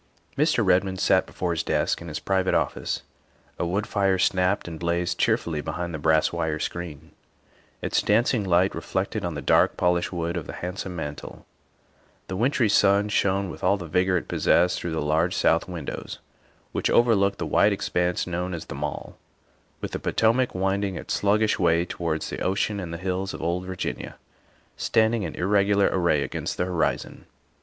Mr. Redmond sat before his desk in his private office. A wood fire snapped and blazed cheerfully behind the brass wire screen, its dancing light reflected on the dark, polished wood of the handsome mantel; the win try sun shone with all the vigor it possessed through the large south windows which overlooked the wide ex panse known as The Mall, with the Potomac winding its sluggish way towards the ocean and the hills of old Virginia standing in irregular array against the horizon.